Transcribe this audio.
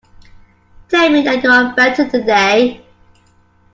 Tell me that you are better today.